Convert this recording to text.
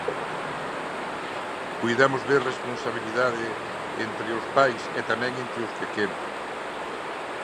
Puidemos ver responsabilidade entre os pais e tamén entre os pequenos.